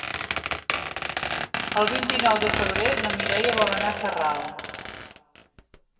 El vint-i-nou de febrer na Mireia vol anar a Sarral.